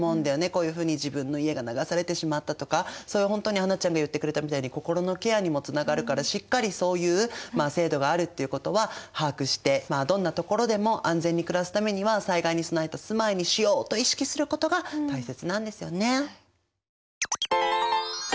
こういうふうに自分の家が流されてしまったとかそういう本当に英ちゃんが言ってくれたみたいに心のケアにもつながるからしっかりそういう制度があるっていうことは把握してどんなところでも安全に暮らすためには災害に備えた住まいにしようと意識することが大切なんですよね。